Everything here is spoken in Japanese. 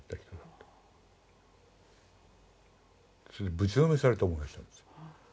ぶちのめされた思いがしたんですよ。